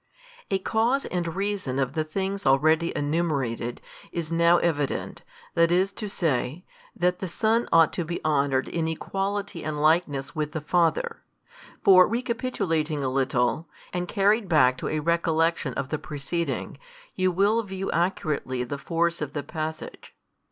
A cause and reason of the things already enumerated, is now evident, viz., that the Son ought to be honoured in Equality and likeness with the Father. For recapitulating a little, and carried back to a recollection of the preceding, you will view accurately the force of the passage.